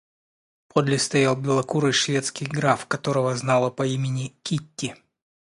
Подле стоял белокурый шведский граф, которого знала по имени Кити.